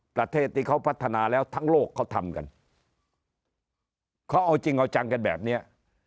ประเทศที่เขาพัฒนาแล้วทั้งโลกเขาทำกันเขาเอาจริงเอาจังกันแบบเนี้ย